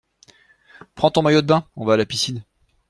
Prends ton maillot de bain, on va à la piscine!